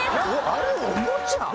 あれおもちゃ？